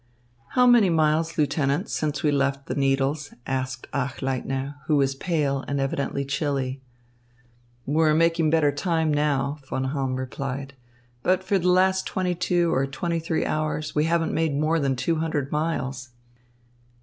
"How many miles, Lieutenant, since we left the Needles?" asked Achleitner, who was pale and evidently chilly. "We're making better time now," Von Halm replied; "but for the last twenty two or twenty three hours, we haven't made more than two hundred miles."